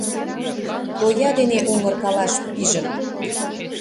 Тоя дене оҥыркалаш пижым.